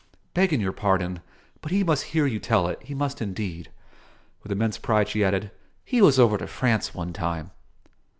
Begging your pardon, but he must hear you tell it; he must indeed." With immense pride she added, "He was over to France, one time."